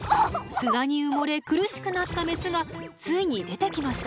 砂に埋もれ苦しくなったメスがついに出てきました。